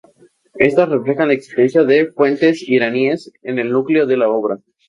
Estas reflejan "la existencia de fuentes iraníes en el núcleo de la obra".